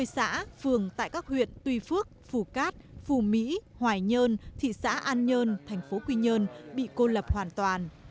chín mươi xã phường tại các huyệt tuy phước phủ cát phủ mỹ hoài nhơn thị xã an nhơn thành phố quy nhơn bị cô lập hoàn toàn